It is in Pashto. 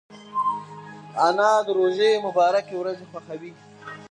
انا د روژې مبارکې ورځې خوښوي